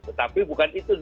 tetapi bukan itu